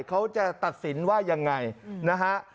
เขาจะตัดสินว่ายังไงนะฮะ